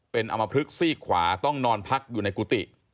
เป็นอมพลึกซีกขวาต้องนอนพักอยู่ในกุฏิ